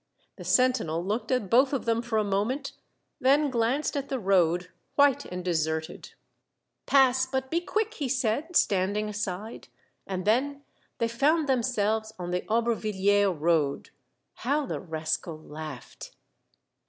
The sentinel looked at both of them for a moment, then glanced at the road, white and deserted. " Pass, but be quick !" he said, standing aside, and then they found themselves on the Auber villiers road. How the rascal laughed